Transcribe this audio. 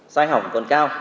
sai hỏng còn cao